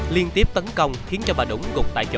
liên tiếp tấn công khiến cho bà đúng gục tại chỗ